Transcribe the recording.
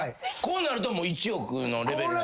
こうなるともう１億のレベル。